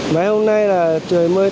mấy hôm nay là trời mưa to